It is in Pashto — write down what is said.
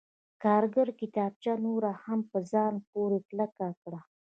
کارګر کتابچه نوره هم په ځان پورې کلکه کړه